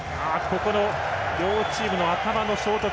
両チームの頭の衝突。